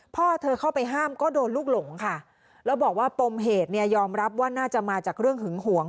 พ่อเธอเข้าไปห้ามก็โดนลูกหลงค่ะแล้วบอกว่าปมเหตุเนี่ยยอมรับว่าน่าจะมาจากเรื่องหึงหวง